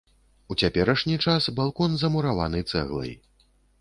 У цяперашні час балкон замураваны цэглай.